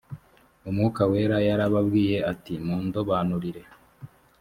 umwuka wera yarababwiye ati mundobanurire